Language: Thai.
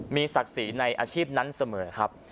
มีสักฤทธิ์ในอาชีพนั้นเสมอครับ